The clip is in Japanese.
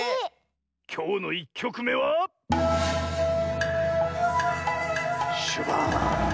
きょうの１きょくめはシュバーン。